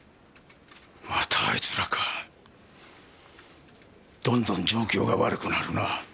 またあいつらか！どんどん状況が悪くなるな。